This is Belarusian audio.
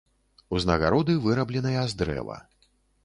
Узнагароды вырабленыя з дрэва.